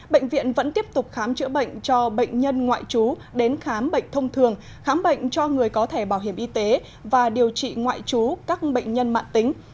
bệnh viện vẫn tiếp tục khám chữa bệnh cho bệnh nhân ngoại trú đến khám bệnh thông thường khám bệnh cho người có thẻ bảo hiểm y tế và điều trị ngoại trú các bệnh nhân mạng tính